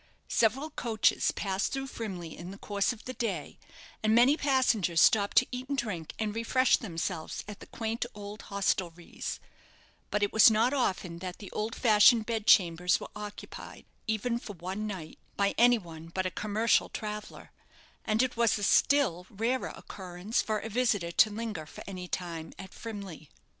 Several coaches passed through Frimley in the course of the day, and many passengers stopped to eat and drink and refresh themselves at the quaint old hostelries; but it was not often that the old fashioned bed chambers were occupied, even for one night, by any one but a commercial traveller; and it was a still rarer occurrence for a visitor to linger for any time at Frimley.